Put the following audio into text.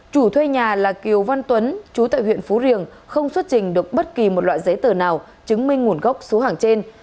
chủ thuê nhà là kiều văn tuấn chú tại huyện phú riềng không xuất trình được bất kỳ một loại giấy tờ nào chứng minh nguồn gốc số hàng trên